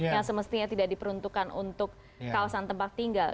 yang semestinya tidak diperuntukkan untuk kawasan tempat tinggal